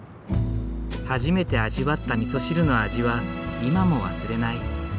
初めて味わったみそ汁の味は今も忘れない。